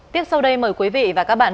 tiếp sau đây mời quý vị và các bạn